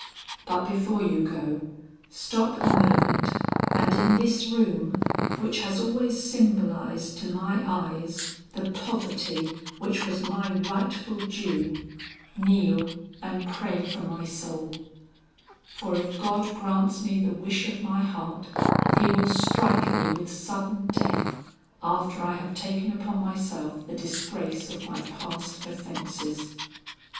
But before you go, stop a moment and in this room, which has always symbolized to my eyes the poverty which was my rightful due, kneel and pray for my soul; for if God grants me the wish of my heart, he will strike me with sudden death after I have taken upon myself the disgrace of my past offences.